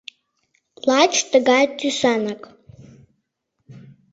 Лач тыгай тӱсанак.